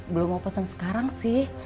belum mau pesan sekarang sih